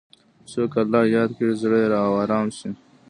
څوک الله یاد کړي، زړه یې ارام شي.